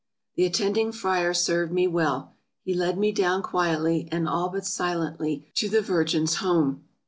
The attending friar served me well — he led me down quietly, and all but silently, to the Virgin's home.